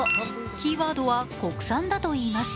キーワードは国産だといいます。